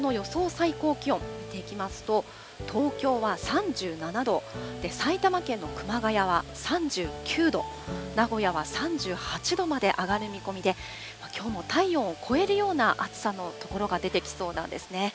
最高気温、見ていきますと、東京は３７度で、埼玉県の熊谷は３９度、名古屋は３８度まで上がる見込みで、きょうも体温を超えるような暑さの所が出てきそうなんですね。